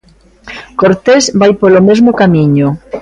Cortés vai polo mesmo camiño.